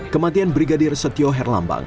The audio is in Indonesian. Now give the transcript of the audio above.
kematian brigadir setio herlambang